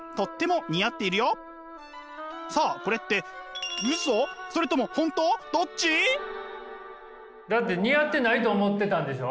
さあこれってだって似合ってないと思ってたんでしょう？